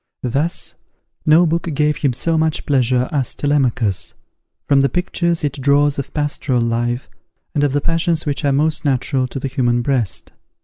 Thus, no book gave him so much pleasure as Telemachus, from the pictures it draws of pastoral life, and of the passions which are most natural to the human breast.